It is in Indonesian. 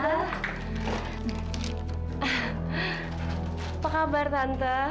apa kabar tante